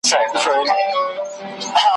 له نسیم سره زګېروئ د جانان راغی !.